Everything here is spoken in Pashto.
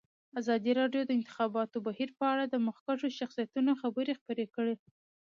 ازادي راډیو د د انتخاباتو بهیر په اړه د مخکښو شخصیتونو خبرې خپرې کړي.